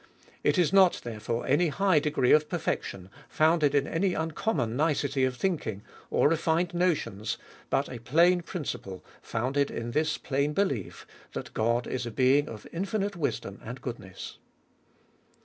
It is not therefore any high degree of perfection, founded in any uncommon nicety of thinking, or refined notions, but a plain principle, founded in this plain belief, that God is a being of infinite wisdom and goodness.